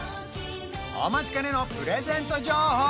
お待ちかねのプレゼント情報